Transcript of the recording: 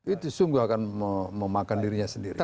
itu sungguh akan memakan dirinya sendiri